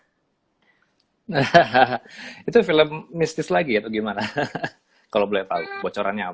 hahaha itu film mistis lagi atau gimana kalau boleh tahu bocorannya apa